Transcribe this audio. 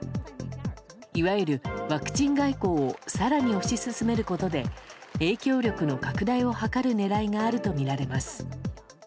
いわゆるワクチン外交を更に推し進めることで影響力の拡大を図る狙いがあるとみられます。